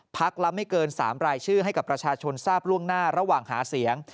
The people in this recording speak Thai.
ละไม่เกิน๓รายชื่อให้กับประชาชนทราบล่วงหน้าระหว่างหาเสียง